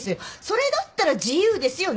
それだったら自由ですよ。